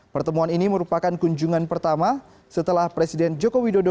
pertemuan ini merupakan kunjungan pertama setelah presiden joko widodo